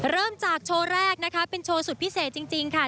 เริ่มจากโชว์แรกนะคะเป็นโชว์สุดพิเศษจริงค่ะ